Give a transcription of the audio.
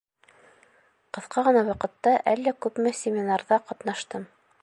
Ҡыҫҡа ғына ваҡытта әллә күпме семинарҙа ҡатнаштым.